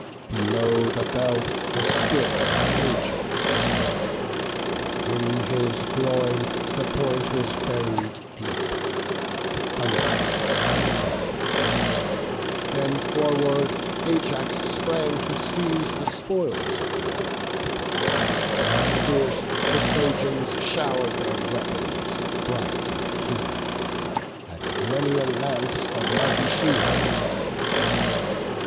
Below the belt the spear of Ajax struck, And in his groin the point was buried deep; Thund'ring he fell; then forward Ajax sprang To seize the spoils of war; but fast and fierce The Trojans show'r'd their weapons bright and keen, And many a lance the mighty shield receiv'd.